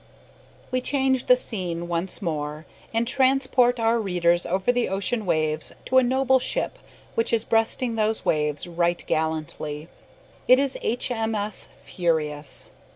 We change the scene once more, and transport our readers over the ocean waves to a noble ship which is breasting those waves right gallantly. It is H.M.S. "Furious."